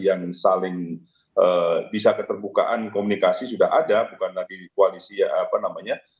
yang saling bisa keterbukaan komunikasi sudah ada bukan lagi koalisi apa namanya